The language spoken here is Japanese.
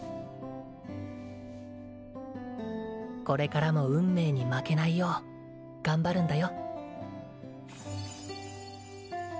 これからも運命に負けないよう頑張るんだよ